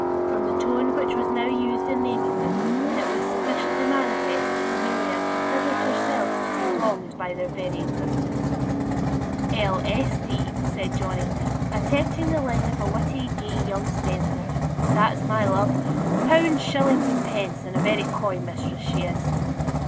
From the tone which was now used in naming them, it was sufficiently manifest that Amelia considered herself to be wronged by their very existence. "L. S. D.," said Johnny, attempting the line of a witty, gay young spendthrift. "That's my love pounds, shillings, and pence; and a very coy mistress she is."